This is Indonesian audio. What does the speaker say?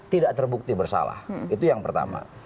tidak terbukti bersalah itu yang pertama